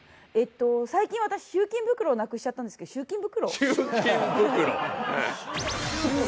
最近、私、集金袋をなくしちゃったんですけど、集金袋？